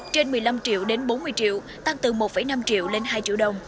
trên một mươi năm triệu đến bốn mươi triệu tăng từ một năm triệu lên hai triệu đồng